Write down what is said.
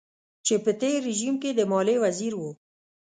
چې په تېر رژيم کې د ماليې وزير و.